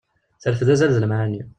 Terfed azal d lemɛani.